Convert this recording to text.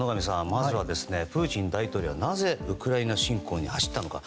まずはプーチン大統領はなぜ、ウクライナ侵攻に走ったのか。